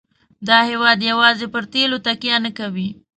دا هېواد یوازې پر تیلو تکیه نه کوي.